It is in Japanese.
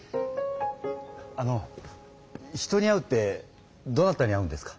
あの人に会うってどなたに会うんですか？